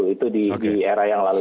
itu di era yang lalu